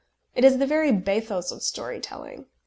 It is the very bathos of story telling.